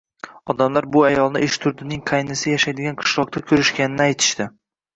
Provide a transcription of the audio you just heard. Odamlar bu ayolni Eshturdining qaynisi yashaydigan qishloqda ko`rishganini aytishdi